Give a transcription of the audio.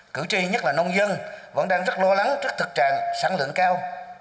cử tri nhất là nông dân vẫn đang rất lo lắng trước thực trạng sản lượng cao